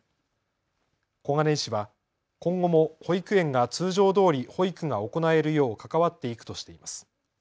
小金井市は今後も保育園が通常どおり保育が行えるよう関わっていくとしています。